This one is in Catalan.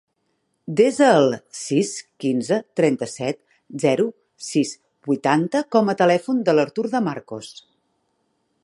Desa el sis, quinze, trenta-set, zero, sis, vuitanta com a telèfon de l'Artur De Marcos.